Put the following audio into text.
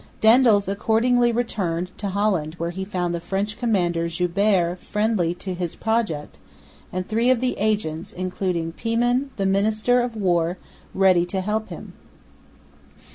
Daendels accordingly returned to Holland, where he found the French commander, Joubert, friendly to his project, and three of the "agents," including Pijman, the Minister of War, ready to help him.